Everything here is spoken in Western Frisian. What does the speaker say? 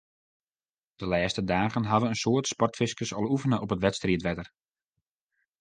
De lêste dagen hawwe in soad sportfiskers al oefene op it wedstriidwetter.